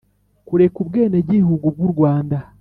kureka ubwenegihugu bw’u rwanda